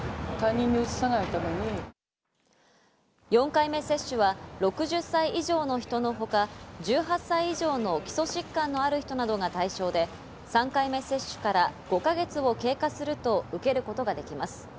４回目接種は６０歳以上の人のほか、１８歳以上の基礎疾患のある人などが対象で、３回目接種から５か月を経過すると受けることができます。